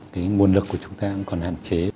cái nguồn lực của chúng ta còn hạn chế